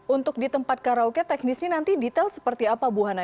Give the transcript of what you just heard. untuk di tempat karaoke teknisnya nanti detail seperti apa bu hana